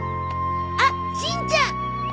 あっしんちゃん！